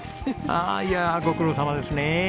ああいやご苦労さまですね。